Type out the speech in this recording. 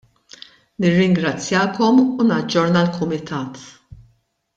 Nirringrazzjakom u naġġorna l-Kumitat.